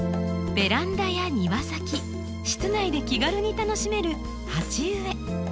ベランダや庭先室内で気軽に楽しめる鉢植え。